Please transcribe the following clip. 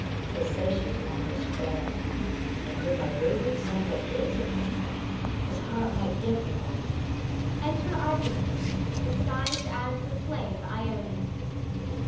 They say she is wondrous fair; and could my wayward son but gaze upon her, his heart might yet be won. [Enter Irene, disguised as the slave, Ione.